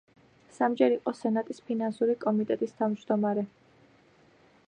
სამჯერ იყო სენატის ფინანსური კომიტეტის თავმჯდომარე.